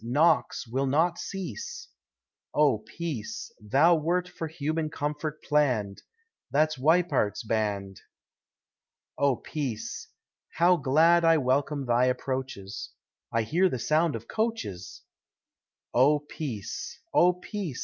Knocks will not cease. Oh Peace! thou wert for human comfort plann'd That's Weippert's band. Oh Peace! how glad I welcome thy approaches I hear the sound of coaches. Oh Peace! oh Peace!